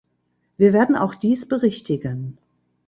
Wir werden auch dies berichtigen.